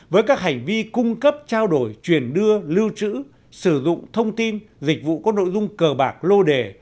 với các hành vi cung cấp trao đổi truyền đưa lưu trữ sử dụng thông tin dịch vụ có nội dung cờ bạc lô đề